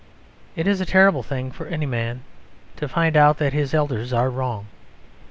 It is a terrible thing for any man to find out that his elders are wrong.